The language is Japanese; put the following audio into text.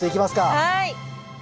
はい！